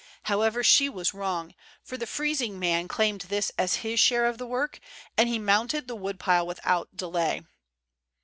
However, she was wrong, for the freezing man claimed this as his share of the work, and he mounted the woodpile without delay.